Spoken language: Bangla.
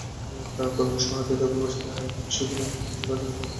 ত্রাণকর্মীরা শরণার্থীদের অভিবাসনের আইনি বিষয়গুলো নিয়ে কিছু কাগজপত্র দিয়ে সহায়তা করেছেন।